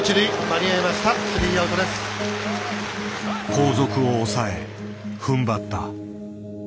後続を抑えふんばった。